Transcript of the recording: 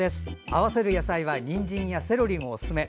合わせる野菜は、にんじんやセロリもおすすめ。